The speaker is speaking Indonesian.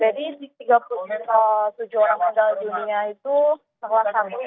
jadi tiga puluh tujuh orang meninggal dunia itu selamat selamat